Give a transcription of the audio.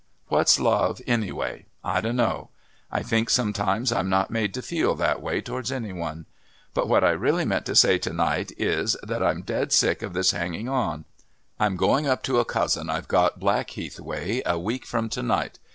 What's love, anyway? I dunno. I think sometimes I'm not made to feel that way towards any one. But what I really meant to say to night is, that I'm dead sick of this hanging on. I'm going up to a cousin I've got Blackheath way a week from to night.